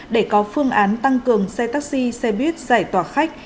để có phương án tăng cường xe taxi xe buýt giải tỏa khách